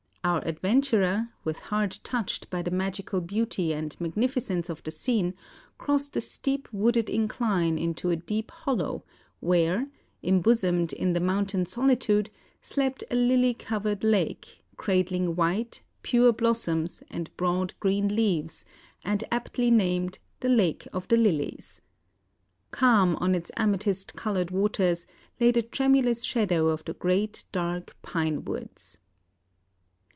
Our adventurer, with heart touched by the magical beauty and magnificence of the scene, crossed a steep wooded incline into a deep hollow, where, embosomed in the mountain solitude, slept a lily covered lake, cradling white, pure blossoms and broad green leaves, and aptly named "The Lake of the Lilies." Calm on its amethyst coloured waters lay the tremulous shadow of the great dark pine woods.